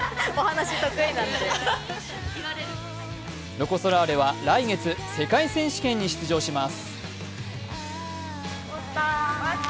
ロコ・ソラーレは来月、世界選手権に出場します。